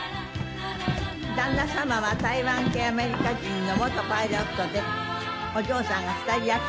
旦那様は台湾系アメリカ人の元パイロットでお嬢さんが２人いらっしゃるそうですよ。